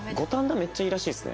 めっちゃいいらしいですね。